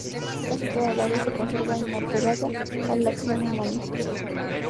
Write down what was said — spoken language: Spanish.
Casi toda el área se conserva inalterada a la acción humana.